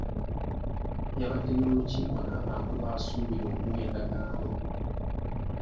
Yabadde n'olukiiko n'abantu b'asuubira okuwa endagaano.